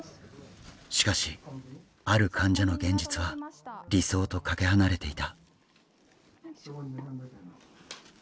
しかしある患者の現実は理想とかけ離れていた。